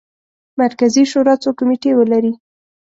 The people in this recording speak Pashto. مرکزي شورا څو کمیټې ولري.